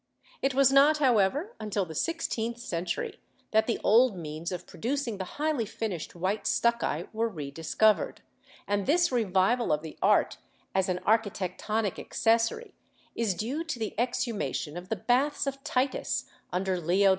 It was not, however, until the sixteenth century that the old means of producing the highly finished white stucchi were rediscovered, and this revival of the art as an architectonic accessory is due to the exhumation of the baths of Titus under Leo X.